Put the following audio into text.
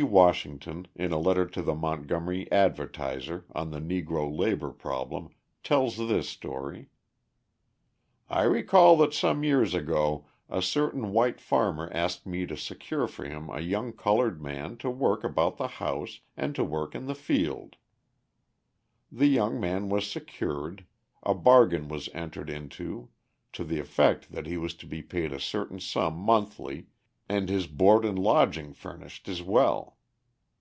Washington, in a letter to the Montgomery Advertiser on the Negro labour problem, tells this story: I recall that some years ago a certain white farmer asked me to secure for him a young coloured man to work about the house and to work in the field. The young man was secured, a bargain was entered into to the effect that he was to be paid a certain sum monthly and his board and lodging furnished as well.